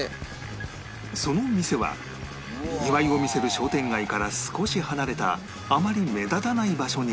その店はにぎわいを見せる商店街から少し離れたあまり目立たない場所にある